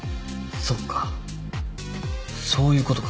そっかそういうことか。